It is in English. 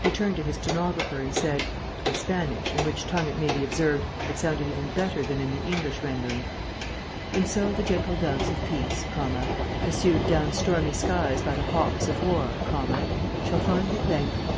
He turned to his stenographer, and said (in Spanish, in which tongue, it may be observed, it sounded even better than in the English rendering): "And so the gentle doves of peace comma pursued down stormy skies by the hawks of war comma shall find at length